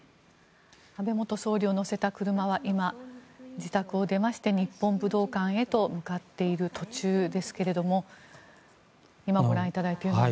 安倍元総理を乗せた車は今、自宅を出まして日本武道館へと向かっている途中ですけれども今、ご覧いただいているのが。